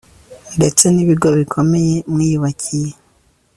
ndetse n'ibigo bikomeye mwiyubakiye